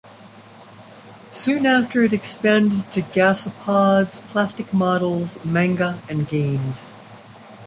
Soon after it expanded to Gashapons, plastic models, manga and games.